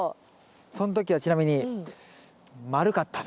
その時はちなみに丸かったね。